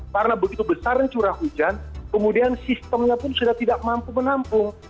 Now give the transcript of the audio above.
karena begitu besar curah hujan kemudian sistemnya pun sudah tidak mampu menampung